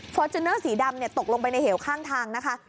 จูเนอร์สีดำตกลงไปในเหวข้างทางนะคะ